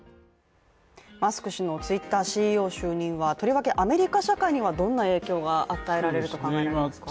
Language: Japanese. マスク氏のＴｗｉｔｔｅｒ社ＣＥＯへの就任はとりわけアメリカ社会にはどんな影響が与えられると考えられますか。